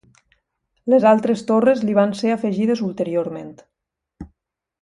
Les altres torres li van ser afegides ulteriorment.